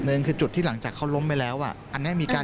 หนึ่งคือจุดที่หลังจากเขาล้มไปแล้วอ่ะอันนี้มีการ